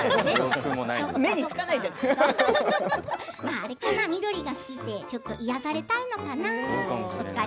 あれかな、緑が好きってちょっと癒やされたいのかな。